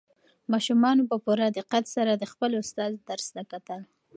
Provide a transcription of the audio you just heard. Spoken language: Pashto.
ماشومانو په پوره دقت سره د خپل استاد درس ته کتل.